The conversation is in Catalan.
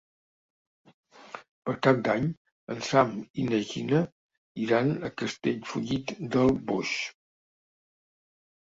Per Cap d'Any en Sam i na Gina iran a Castellfollit del Boix.